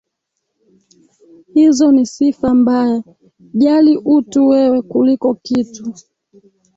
Hizo ni sifa mbaya, jali utu wewe kuliko kitu.